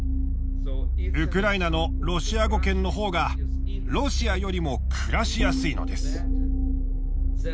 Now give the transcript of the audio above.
ウクライナのロシア語圏のほうがロシアよりも暮らしやすいのです。